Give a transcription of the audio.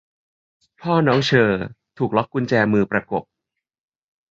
'พ่อน้องเฌอ' ถูกล็อคกุญแจมือประกบ